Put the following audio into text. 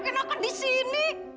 kamu enak enakan di sini